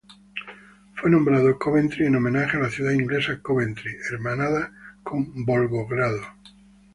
Fue nombrado Coventry en homenaje a la ciudad inglesa Coventry hermanada con Volgogrado.